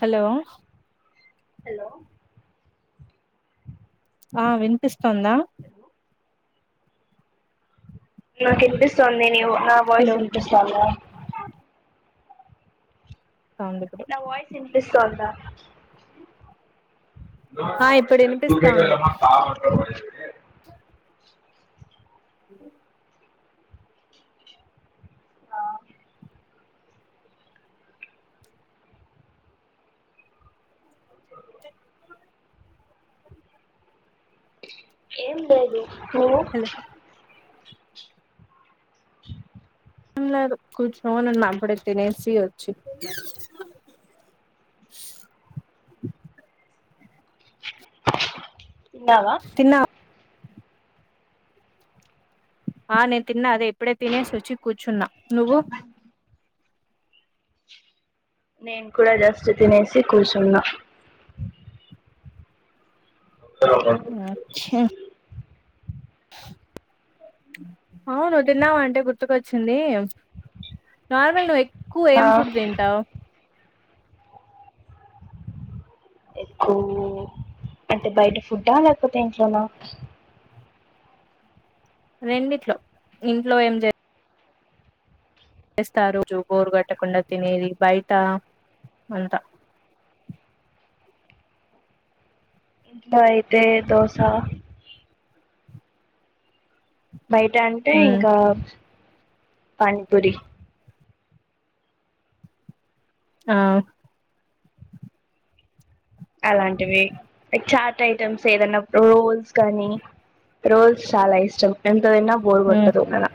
Hello hello ఆ విన్పిస్తోందా hello నాకు ఇన్పిస్తోంది నీవు నా హలో వాయిస్ వినిపిస్తోంద సౌండ్ ఇప్పుడు నా వాయిస్ విన్పిస్తోంద ఆ ఇప్పుడు వినిపిస్తా ఉంది ఆ హలో చెప్పు ఏం లేదు మ్ హలో ఏం లేదు కూర్చోనున్న ఇప్పుడే తినేసి వచ్చి తిన్నావా తిన్నా ఆ నే తిన్నా అదే ఇప్పుడే తినేసి వచ్చి కూర్చున్నా నువ్వు నేను కూడా జస్ట్ తినేసి కూర్చున్నా అచ్చ అవును తిన్నావ అంటే గుర్తుకొచ్చింది నార్మల్ నువ్వు ఎ క్కువ ఆ ఏం ఫుడ్ తింటావు ఎక్కువు అంటే బయట ఫుడ్ లేకపోతే ఇంట్లోనా రెండిట్లొ ఇంట్లో ఏం జె యెస్త రోజు బోర్గొట్టకుండ తినేది బైట అంత ఇంట్లో ఐతే దోసా బైట అంటే ఉమ్ ఇంకా పానిపూరి. ఆ అలాంటివి ఎ చాటైటమ్స్ ఏదన్న రోల్స్ కాని రోల్స్ చాలా ఇష్టం ఎంత దిన్నా బోర్ ఉమ్ గొట్టదు అలా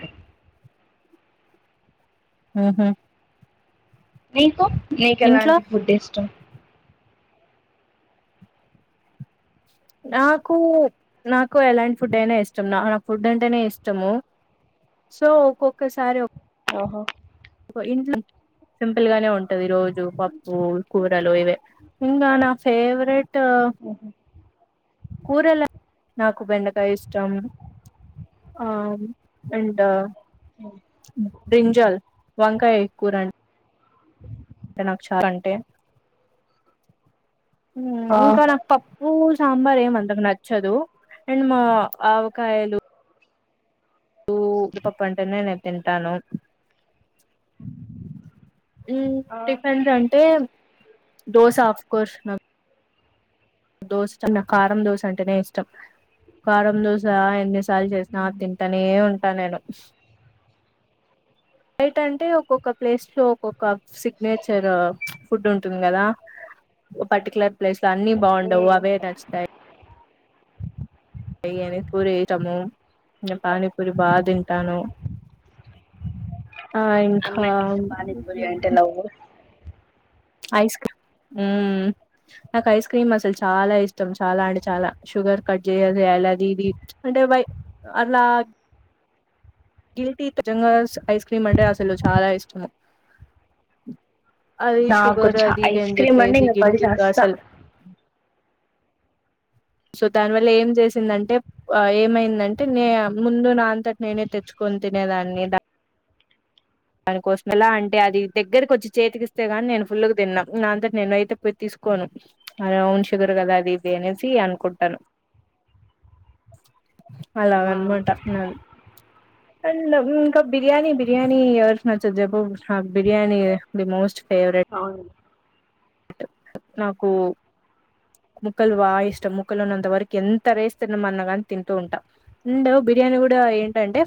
ఆహ నీకు ఇంట్లో నీకెలాంటి ఫుడ్డిష్టం. నాకూ నాకు ఎలాంటి ఫుడ్డైనా ఇష్టం న నాక్ ఫుడ్డంటేనే ఇష్టము సో ఒక్కొక్క సారి ఒ ఓహొ పొ ఇంట్ల సింపుల్గానే ఉంటది రోజ్ పప్పూ కూరలు ఇవే ఇంగా నా ఫేవ్రేట్ కూరల నాకు బెండకాయిష్టం. ఆమ్ ఎంట బ్రింజాల్ వంకాయ్ కూరన్ అంటె నాక్ చారంటె ఉమ్ ఆ ఇంక నాకు పప్పూ సాంబారేమ్ అంతగ నచ్చదు అండ్ మా ఆవకాయలు ఊ ఉప్పుతప్పంటేనే నే తింటాను ఊమ్ ఆ టిఫెన్సంటేమ్ దోస అఫ్ కోర్స్ నాక్ దోశ చ నాక్ కారం దోశంటేనే ఇష్టం కారం దోశ ఎన్ని సాల్ జేస్నా తింటానే ఉంటా నేను [unintelligible] టంటె ఒక్కొక్క ప్లేస్లో ఒక్కొక్క సిగ్నేచర్ ప్చ్ ఫుడ్డుంటుంది గదా. ఒ పర్టికులర్ ప్లేస్లొ అన్ని బాండవు అవే నచ్చుతాయ్. ఎయ్యని పూరి ఐటము ఇంగ పానీపూరి బాగ్ తింటాను. ఆ ఇంకా అమ్మాయిలకి పానీపూరి అంటే లవ్వు ఐస్క్రీమ్ ఊమ్ నాకైస్క్రీమసల్ చాలా ఇష్టం చాలా అంటె చాలా షుగర్ కట్ జేయదు యా యలదీది ప్చ్ అంటె వై అలా గిల్టీత్ నిజంగాస్ ఐస్క్రీమంటె అసలు చాలా ఇష్టము. అదీ నాకు కూడా షుగర్ చ అదీది ఐస్ అన్ క్రీమ్ అంటే జెప్పేసి ఇంకా పడి గిల్టి ప్ చస్తా అసలు సొ దాన్ వల్ల ఏం జేసిందంటె ప్ అ ఏమైందంటె నే ముందు నా అంతట్ నేనే తెచ్చుకొ కొన్ తినేదాన్ని దా దానికోసం ఎలా అంటె అది దెగ్గెరకొచ్చి చేతికిస్తే గాన్ నేన్ ఫుల్లుగ్ తిన్న నా అంతట్ నేనైతె పొయ్ తీస్ కోను ప్చ్ అరె ఔన్ షుగర్ గద అదీద్ది అనేసీ అన్కుంటాను. అలాగన్మాట నాది అండ్ ఇంక బిర్యాని బిర్యానీ ఎవర్ నచ్చద్ జెప్పు అ బిర్యానీ ది మోస్ట్ ఫేవ్రెట్ ట్ నాకూ ముక్కలు బాగిష్టం ముక్కలున్నంతి వరకి ఎంత రైస్ తినమన్న గాన్ తింటూ ఉంట అండ్ బి బిర్యానీ గుడా ఏంటంటె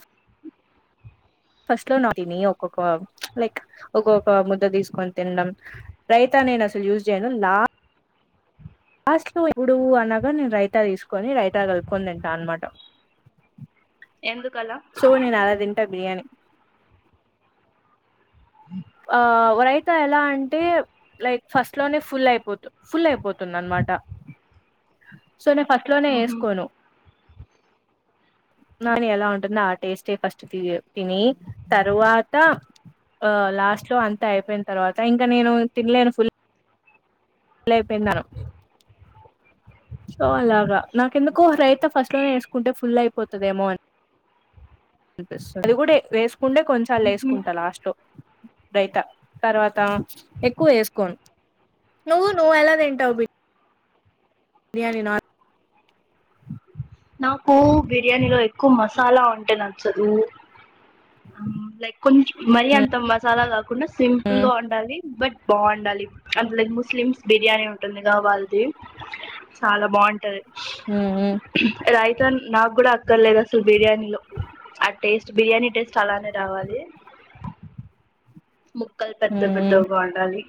ఫస్ట్లొ నా తిని ఒక్కొక్క లైక్ ఒగ్గొక్క ముద్ద దీస్కొన్ తిన్డం రై త నేనసల్ యూజ్ జెయ్డం నా లాస్ట్లో ఇపుడూ అనగా నేను రైతా తీసుకొని రైతా కలుపుకుని దింట అన్మాట ఎందుకలా సో నేనలా తింట బిర్యాని ఆ వరైత ఎలా అంటే లైక్ ఫస్ట్ లోనే ఫుల్ అయిపోతు ఫుల్ అయిపోతుందన్మా ట సో నేను ఫస్ట్ లోనే ఏసుకోను నాని ఎలా ఉంటుంద ఆ టేస్టే ఫస్ట్ తి తిని తరువాత ఆ లాస్ట్లో అంత అయిపొయిన తర్వాత ఇంకా నేను తినలేను ఫుల్ ళయిపోయిందను సో అలాగా నాకెందుకో రైత ఫస్ట్ లోనే ఏసుకుంటే ఫుల్ అయిపోతదేమో అని అనిపిస్తది అది గూడా వేసుకుండే కొంచల్ల ఏసుకుంట లాస్ట్లో రైత తర్వాతా ఎక్కువ ఏసుకోను నువ్వు నువ్వు ఎలా తింటావు బి బిర్యానీనా నాకూ బిర్యానీలో ఎక్కువ మసాలా ఉంటె నచ్చదూ అమ్ లైక్ కొంచం మరీ అంత మసాలా కాకుండా సింపుల్గా ఉండాలి బట్ బావుండాలి [unintelligible] ముస్లిమ్స్ బిర్యానీ ఉంటుందిగా వాళ్ది చాలా బావుంటది ఊ ఊ రైతన్ నాగ్గుడా అక్కర్లేదు అసలు బిర్యానీలో ఆ టేస్ట్ బిర్యానీ టేస్ట్ అలానే రావాలి ముక్కల్ పెద్ద పెద్దవిగా ఉండాలి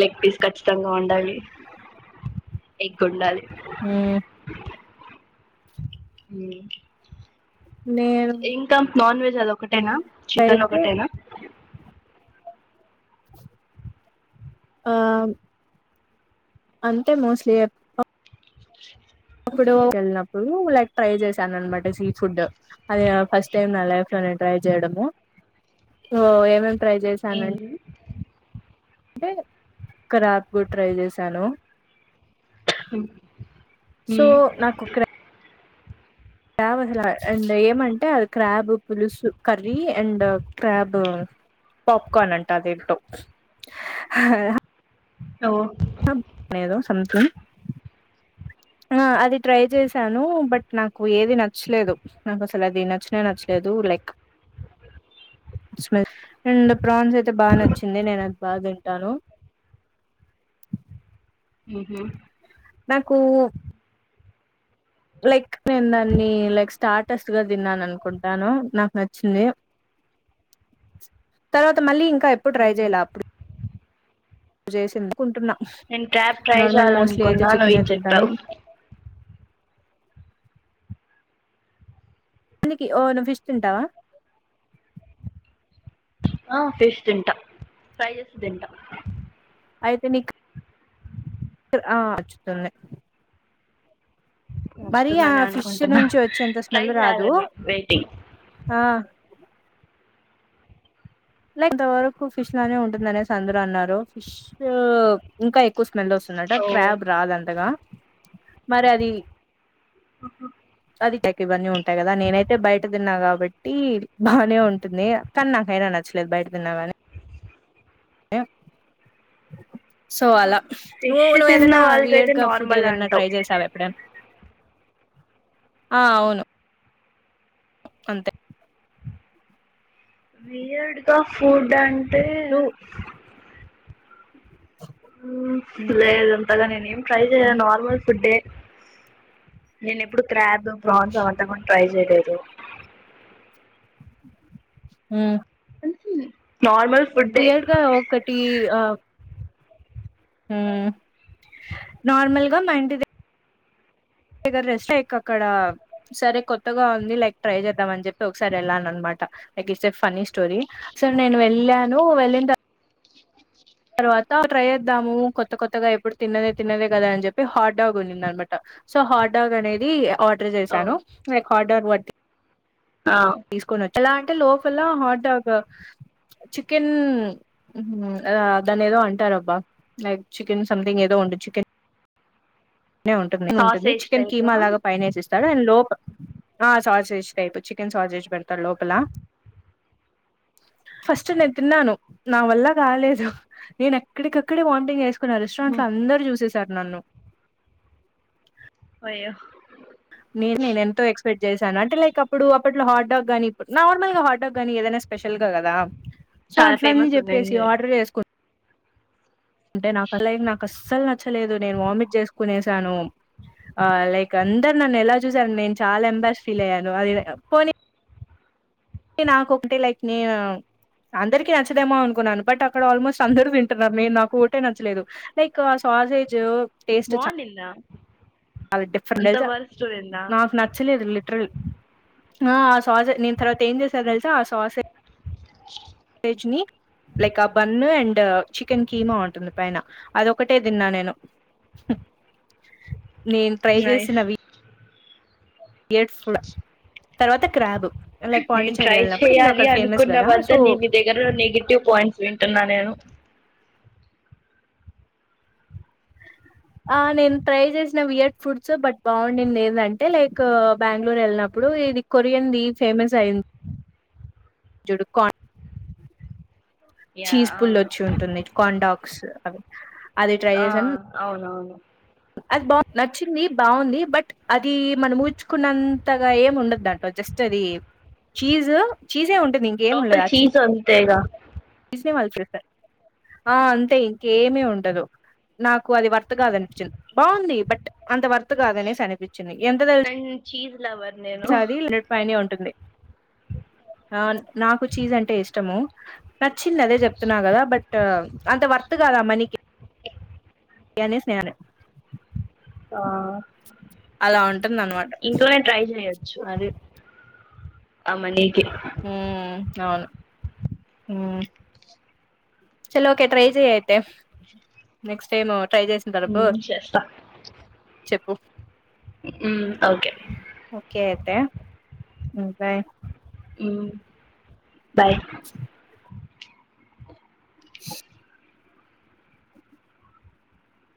లెగ్ పీస్ ఖచ్చితంగా ఉండాలి ఎగ్గుండాలి [inaudible] నేను నాన్వెజ్ అదొకటేనా అయితే చికెనొకటేనా ఆ అంటే మోస్ట్లీ యే [inaudible] ప్పుడూ కెళ్నప్పుడూ లైక్ ట్రై చేసానన్మట స్ట్రీట్ ఫుడ్ అది ఫస్ట్ టైమ్ నా లై నేన్ ట్రై చేయడము ఓ ఏమేం ట్రై చేశానం ఏంది టే ఖరాబ్ గూడ్ ట్రై చేశాను సో మ్మ్. నాకు క్ర క్రాబసలా అండ్ ఏమంటే అది క్రాబు పులుసు కర్రీ అండ్ క్రాబ్ పాప్కార్న్ అంట దీంట్లో స్లో అం ఏదో సంథింగ్ ఆ అది ట్రై చేసానూ బట్ నాకు ఏది నచ్లేదు నాకు అసలు అది నచ్నే నచ్చలే దూ లైక్ స్వెఫ్ అండ్ ప్రాన్సయితే బా నచ్చింది నేను అది బా తింటాను ఉహూ నాకూ లైక్ నేన్ దాన్నీ లైక్ స్టార్టస్ గా దిన్నానుకుంటాను నాకు న చ్చింది తర్వాత మళ్ళీ ఇంకా ఎప్పుడు ట్రై చేయలా అప్పుడు జేసింద్ కుంటున్నా నేను క్యాబ్ ట్రై నార్మల్ మోస్ట్లీ అయితే చేయాలనుకున్నా నువ్వు చికెనే ఇది తింటాను చెప్పావు దకి ఓ నువ్వు ఫిష్ తింటావ ఆ ఫిష్ తింటా ఫ్రై చేస్తె తింటా అయితే నీకు ఆ వచ్చుతుంది మరి ఆ నచ్చుతుందని ఫిష్ అనుకుంటున్నా నుంచి వచ్చేంత ట్రై స్మెల్ రాదు చేయాలని వెయిటింగ్ ఆ లైక్ ఇంతవరకు ఫిష్ లానే ఉంటుంది అనేసి అందరూ అన్నారు ఫిష్ ఇంకా ఎక్కువ స్మెల్ వస్తుందట సో క్రాబ్ రాదు అంతగా మరి అది ఆహా అది థర్టి వన్నె ఇవన్నీ ఉంటాయి కదా నేనైతే బయట తిన్నాగా కాబట్టి బానే ఉంటుంది కానీ నాకైన నచ్చలేదు బయట తిన్నా కాని సో అలా నువ్వు ఫిష్ నువ్వు తిన్న ఏదన్నా వాళ్ళకైతే వియడ్గా ఫుడ్ నార్మల్ ఏదన్నా అంటావు ట్రై చేసావ ఎప్పుడైనా ఆ అవును అంతే వియర్డ్గా ఫుడ్ అండ్ నువ్వు లేదంతగా నేనుం ట్రై చేయన్ నార్మల్ ఫుడ్ే నేను ఎప్పుడు క్రాబ్ ప్రాన్స్ అవంతా కూడ ట్రై చేయలేదు తో హు ఉహు నార్మల్ ఫుడ్డే వియడ్గా ఒకటి ఆ హు నార్మల్గా మా ఇంటిద ్గ రెస్ట్ ైక్ అక్కడ సరే కొత్తగా ఉంది లైక్ ట్రై చేద్దాం అని చెప్పి ఒకసారి వెళ్ళాలను అనమాట it is a funny story so నేను వెళ్ళాను వెళ్ళిన తవాత తర్వాత ట్రై చేద్దాము కొత్త కొత్తగా ఎప్పుడు తిన్నదే తిన్నదే కదా అని చెప్పి హాట్ డాగ్ ఉన్నింది అనమాట సో హాట్డగ్ అనేది ఆర్డర్ ఓ చేశాను లైక్ హాట్ ్ ఆ ఎలా అంటే లోపల హాట్ డాగ్ చికెన్ దాన్ని ఏదో అంటారబ్బా లైక్ చికెన్ సంథింగ్ ఏదో పండు చికెన్ ఉంటుంది ఉంటుంది సాసేజ్ చికెన్ టైపా కీమా లాగ పైన వేసిస్ త్తరు లోప ఆ సాస్ ఎస్ టైపు చికెన్ సావాస్ ఎసి పెడతాడ్ లోపల అ ఫస్ట్ నేను తిన్నాను నా వల్ల కాలేదు నేను ఎక్కడికక్కడె వాంటింగ్ చేసుకు కని రెస్టారెంట్ లో అందరు చూసేసారు నన్ను అయ్యా నేను నె ఎంతో ఎక్స్పెక్ట్ చేశాను అంటే లైక్ అప్పుడు అట్లో హట్ డాగ్ గానీ నార్మల్గ హాట్ డాగ్గానీ ఏదైనా స్పెషల్ గా కదా సో చాలా అట్లన్న ఫేమస్ చెప్పేసి ఉంది ఆర్డర్ చేసుకు అంటే నాకుల నాకస్సలు నచ్చలేదు నేను వామిట్ చేసుకునేసాను ఆ లైక్ అందరు నన్ను ఎలా చూశారు నేను చాలా ఎంబస్ ఫీల్ అయ్యాను అది పోనీ నాకొకటే లైక్ నేను అందరికి నచ్చదేమో అనుకున్నాను బట్ అక్కడ ఆల్మోస్ట్ అందరూ తింటున్నారు మీేను నాకు ఒకటే నచ్చలేదు లైక్ పాసే బో బన్లా [unintelligible] అది డిఫరెంట్ నేచర్ ఉండిందా నాకు నచ్చలేదు లిటరల్లి ఆ ఆ సావాస నేను తర్వాత ఏం చేసాను తెలుసా ఆ సావాస ష్ని [unintelligible] లైక్ ఆ బన్ను అండ్ చికెన్ కీమా ఉంటుంది పైన అది ఒకటే తిన్నా నేను నేను ట్రై నైస్ చేసినవి ఏడు ఫుల తర్వాత క్రాబ్ లైక్ నేను పాండిచ్చేరి ట్రై వెళ్ళినప్పుడు ఇంకా చేయ్యాలి అక్కడ ఫేమస్ కదా అనుకున్నవంత సో నేను మీ దగ్గర నెగిటివ్ పాయింట్స్ వింటున్నా నేను ఆ నేను ట్రై చేసిన వియర్ట్ ఫుడ్స్ బట్ బాగుండింది ఏందంటే లైక్ బ్యాంగ్ళూరు వెళ్ళినప్పుడు ఇప్పుడు ఇది కొరియన్ది ఫేమస్ అయింది జుడుకాన్ యా చీజ్ పుల్ అవును వచ్చి ఉంటుంది కాండాక్స్ అవి అది ట్రై ఆ చేశాను అవునవును అది బాగు నచ్చింది బాగుంది బట్ అది మనం ఊహించుకున్నంతగా ఏమి ఉండదు దాంట్లో ఫస్ట్ అది చీజ్ చీజే ఉంటుంది ఇంకేండదు లోపల ఆ చీజ్ అంతేగా ఆ అంతే ఇంకేమి ఉండదు నాకు అది వర్త్ కాదనిపించింది బాగుంది బట్ అంత వర్త్ కాదనేసి అనిపిచింది ఎంత తెలుసా అండ్ చీజ్ లవర్ నేను అది హండ్రెడ్ పైనే ఉంటుంది అవును నాకు చీజ్ అంటే ఇష్టము నచ్చింది అదే చెప్తున్నా కదా బట్ అంత వర్త్ కాదా మనీకి గణేస్ స్నేహనే ఆ అలా ఉంటుంది అనమాట ఇంట్లోనే ట్రై చేయచ్చు అది ఆ మని హ అవును హ చలో ఓకే ట్రై చెయి అయితే నెక్స్ట్ టైమ్ ట్రై చేసిన తరపు మ్ చెప్ప చెప్పు మ్ ఓకే కె బాయ్ బాయ్